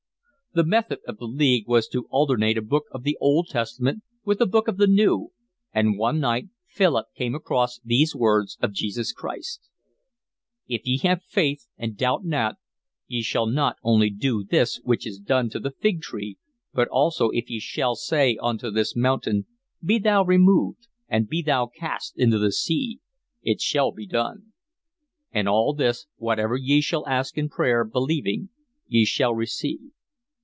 The method of the League was to alternate a book of the Old Testament with a book of the New, and one night Philip came across these words of Jesus Christ: If ye have faith, and doubt not, ye shall not only do this which is done to the fig tree, but also if ye shall say unto this mountain, Be thou removed, and be thou cast into the sea; it shall be done. And all this, whatsoever ye shall ask in prayer, believing, ye shall receive.